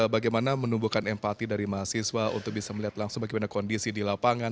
bagaimana menumbuhkan empati dari mahasiswa untuk bisa melihat langsung bagaimana kondisi di lapangan